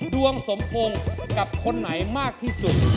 ดวงสมพงษ์กับคนไหนมากที่สุด